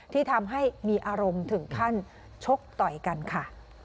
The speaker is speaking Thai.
ที่ทำให้มีอารมณ์ถึงขั้นชกต่อยกันค่ะ